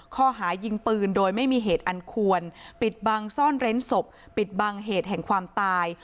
ข้อหายิงปืนโดยไม่มีเหตุอันควรปิดบังซ่อนเร้นศพปิดบังเหตุแห่งความตาย